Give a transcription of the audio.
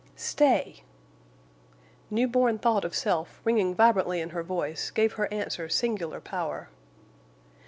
"Stay!" New born thought of self, ringing vibrantly in her voice, gave her answer singular power.